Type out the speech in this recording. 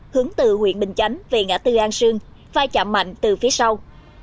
hướng từ huyện bình chánh về ngã tư an sương vai chạm mạnh từ phía sau